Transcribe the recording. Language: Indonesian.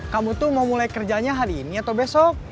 kamu tuh mau mulai kerjanya hari ini atau besok